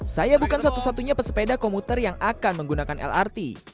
saya bukan satu satunya pesepeda komuter yang akan menggunakan lrt